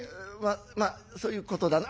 「まあそういうことだな」。